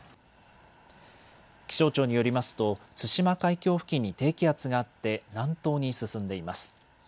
気象庁によりますと対馬海峡付近に低気圧があって南東に進んでいます。